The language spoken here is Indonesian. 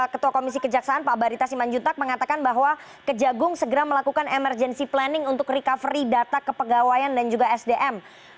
ketua komisi kejaksaan pak barita simanjuntak mengatakan bahwa kejagung segera melakukan emergency planning untuk recovery data kepegawaian dan juga sdm